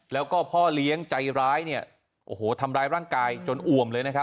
แล้วก็พ่อเลี้ยงใจร้ายเนี่ยโอ้โหทำร้ายร่างกายจนอ่วมเลยนะครับ